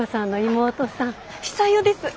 久代です。